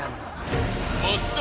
［松田］